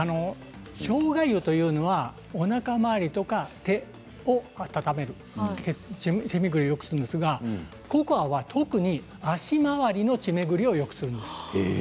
しょうが湯はおなか回りとか体を温める血巡りをよくするんですがココアは特に足回りの血巡りをよくするんです。